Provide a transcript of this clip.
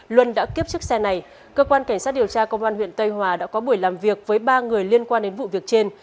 luân đã kiếp chiếc xe này cơ quan cảnh sát điều tra công an huyện tây hòa đã có buổi làm việc với ba người liên quan đến vụ việc trên